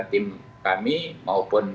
tim kami maupun